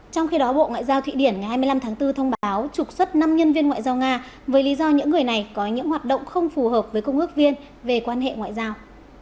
trong khi đó bộ ngoại giao thụy điển ngày hai mươi năm tháng bốn thông báo trục xuất năm nhân viên ngoại giao nga với lý do những người này có những hoạt động không phù hợp với công ước viên về quan hệ ngoại giao